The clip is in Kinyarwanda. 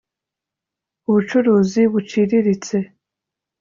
ubucuruzi buciriritse